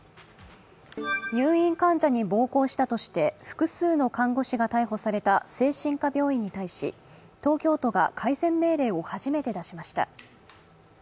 入院患者に暴行したとして複数の看護師が逮捕された精神科病院に対し東京都が改善命令を初めて出しました。